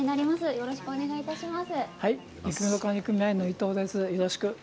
よろしくお願いします。